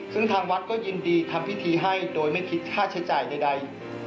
ซึ่งทางวัดก็ยินดีทำพิธีให้โดยไม่คิดค่าใช้จ่ายใด